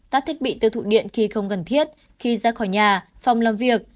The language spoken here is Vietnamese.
các thiết bị tiêu thụ điện khi không cần thiết khi ra khỏi nhà phòng làm việc